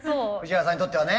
藤原さんにとってはね。